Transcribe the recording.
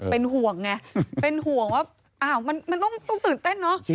เป็นห่วงไงเป็นห่วงว่าอ้าวมันต้องตื่นเต้นเนอะ